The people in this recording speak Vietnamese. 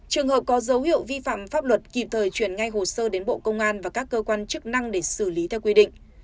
trường hợp có dấu hiệu vi phạm pháp luật kịp thời chuyển ngay hồ sơ đến bộ công an và các cơ quan chức năng để xử lý theo quy định